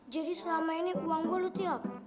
jadi selama ini uang gue lu tirap